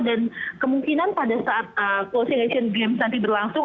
dan kemungkinan pada saat closing asian games nanti berlangsung